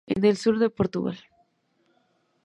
En el sur de Portugal.